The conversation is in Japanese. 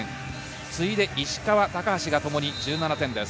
次いで石川、高橋がともに１７点です。